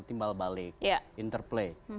timbal balik interplay